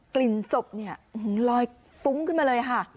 กลิ่นศพเนี่ยอื้อหือลอยฟุ้งขึ้นมาเลยฮะ